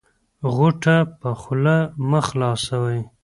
غوټه په خوله مه خلاصوی